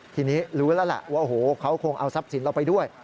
ทีนี้รู้แล้วแหละว่าโอ้โหเขาคงเอาทรัพย์สินเราไปด้วย